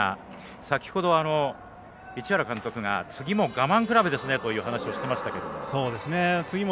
先ほど、市原監督が次も我慢比べですねという話をしてましたけども。